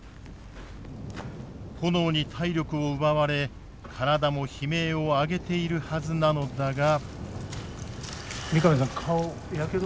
炎に体力を奪われ体も悲鳴を上げているはずなのだが。